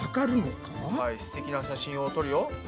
はいすてきな写真を撮るよ。